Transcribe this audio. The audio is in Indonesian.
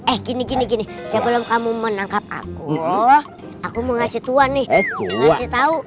eh gini gini gini sebelum kamu menangkap aku aku mau ngasih tuhan nih eh gua tau